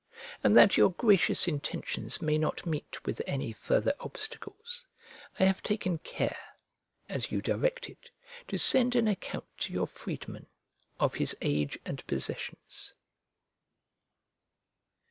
And that your gracious intentions may not meet with any further obstacles, I have taken care, as you directed, to send an account to your freedman of his age and possessions.